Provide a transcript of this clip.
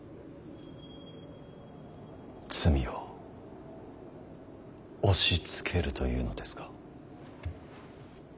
罪を押しつけるというのですか。